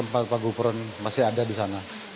pak gubern masih ada di sana